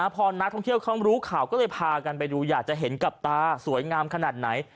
พอนักท่องเที่ยวเขารู้ข่าวก็เลยพากันไปดูอยากจะเห็นกับตาสวยงามขนาดไหน